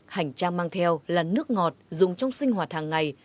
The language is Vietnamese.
hành trang mang theo là nước ngọt dùng trong sinh hoạt hàng ngày